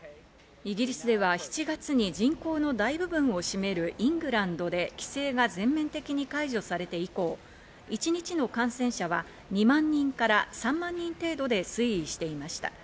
イギリスでは７月に人口の大部分を占めるイングランドで規制が全面的に解除されて以降、一日の感染者は２万人から３万人程度で推移していました。